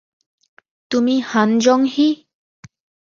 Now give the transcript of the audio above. তুমি হান জং-হি?